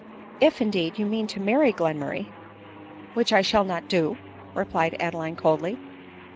If, indeed, you mean to marry Mr Glenmurray— 1 '" Which I shall not do," replied Adeline coldly..